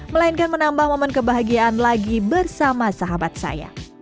melainkan menambah momen kebahagiaan lagi bersama sahabat saya